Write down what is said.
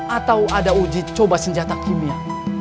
atau ada uji coba senjata kimia